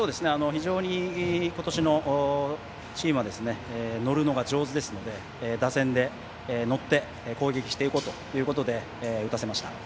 非常に今年のチームは乗るのが上手ですので打線で乗って攻撃していこうということで打たせました。